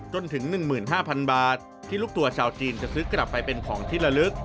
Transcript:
จนถึง๑๕๐๐๐บาทที่ลูกทัวร์ชาวจีนจะซื้อกลับไปเป็นของที่ละลึก